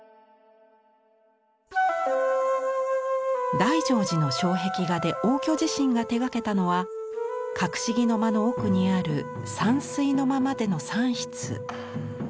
大乗寺の障壁画で応挙自身が手がけたのは「郭子儀の間」の奥にある「山水の間」までの３室。